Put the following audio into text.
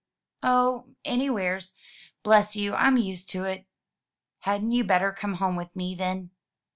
"Oh, anywheres. Bless you, I'm used to it." "Hadn't you better come home with me, then?"